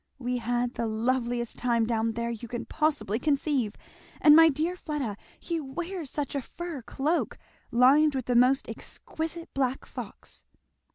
We had the loveliest time down there you can possibly conceive. And my dear Fleda he wears such a fur cloak! lined with the most exquisite black fox."